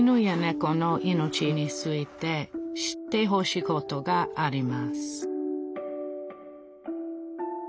この命について知ってほしいことがあります